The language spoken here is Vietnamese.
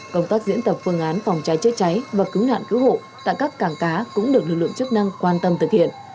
công tác diễn tập phương án phòng cháy chữa cháy và cứu nạn cứu hộ tại các cảng cá cũng được lực lượng chức năng quan tâm thực hiện